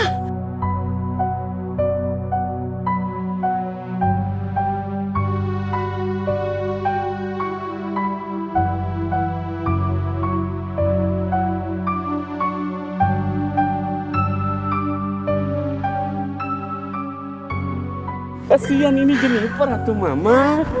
kasian ini jennifer atau mama